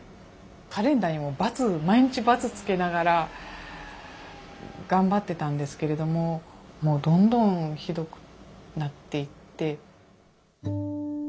カレンダーにもバツ毎日バツつけながら頑張ってたんですけれどももうどんどんひどくなっていって。